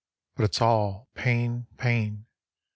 . but it's all pain, pain.